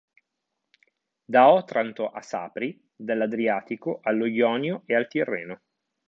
Da Otranto a Sapri: dall'Adriatico, allo Ionio e al Tirreno.